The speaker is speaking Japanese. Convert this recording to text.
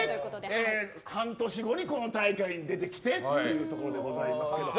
半年後にこの大会に出てきてというところでございます。